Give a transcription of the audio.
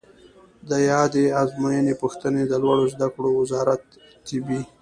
د یادې آزموینې پوښتنې د لوړو زده کړو وزارت طبي